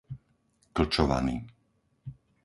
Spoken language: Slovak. Klčovany